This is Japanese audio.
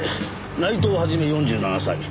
内藤肇４７歳。